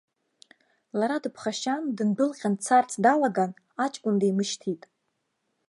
Лара, дыԥхашьан, дындәылҟьан дцарц далаган, аҷкәын димышьҭит.